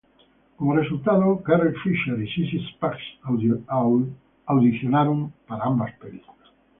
Como resultado, Carrie Fisher y Sissy Spacek audicionaron para ambas películas.